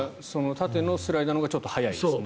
縦のスライダーのほうがちょっと速いですね。